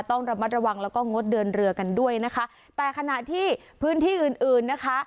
ต้องระมัดระวังแล้วก็งดเดินเรือกันด้วยนะคะแต่ขณะที่พื้นที่อื่นอื่นนะคะ